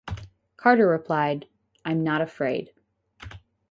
Carter replied, I'm not afraid.